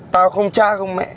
tao không cha không mẹ